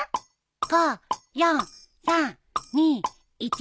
５４３２１。